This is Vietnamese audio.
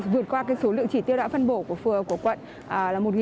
vượt qua số lượng chỉ tiêu đã phân bổ của phường của quận là